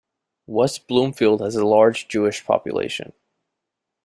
West Bloomfield has a large Jewish population.